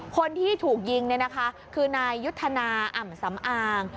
คนที่ถูกยิงคือนายยุทนาอำสำอาง